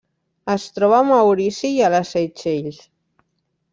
Es troba a Maurici i a les Seychelles.